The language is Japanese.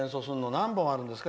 何本あるんですか？